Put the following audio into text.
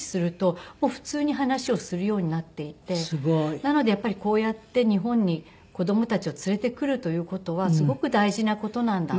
なのでやっぱりこうやって日本に子供たちを連れてくるという事はすごく大事な事なんだな。